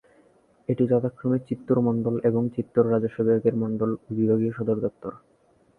এটি যথাক্রমে চিত্তুর মণ্ডল এবং চিত্তুর রাজস্ব বিভাগের মন্ডল ও বিভাগীয় সদর দপ্তর।